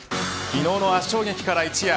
昨日の圧勝劇から一夜。